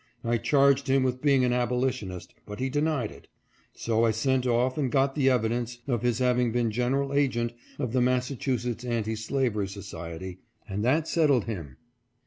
I charged him with being an abolitionist, but he denied it ; so I sent off and got the evidence of his having been general agent of the Massachusetts Anti Slavery Society, and that settled him."